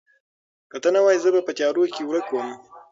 که ته نه وای، زه به په تیارو کې ورک وم.